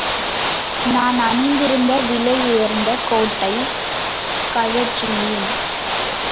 நான் அணிந்திருந்த விலை உயர்ந்த கோட்டைக் கழற்றினேன்.